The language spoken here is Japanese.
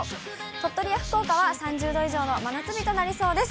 鳥取や福岡は３０度以上の真夏日となりそうです。